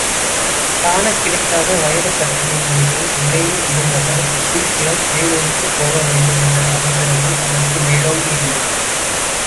காணக் கிடைக்காத வைரக் கற்களின் மீதே நினைவு இருந்ததால், சீக்கிரம் பேரூருக்குப்போக வேண்டும் என்ற அவசரமே அவருக்கு மேலோங்கியிருந்தது.